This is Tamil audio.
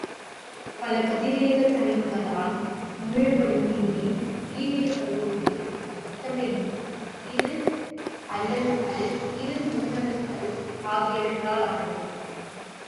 பல கதிரியக்கத் தனிமங்களால் உமிழப்படும் இம்மி, ஈலியக் கருவோடு ஒத்தமையும் இரு அல்லணுக்கள் இரு முன்னணுக்கள் ஆகியவற்றாலானது.